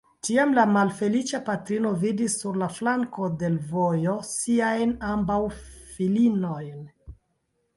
Tiam la malfeliĉa patrino vidis, sur la flanko de l' vojo, siajn ambaŭ filinojn.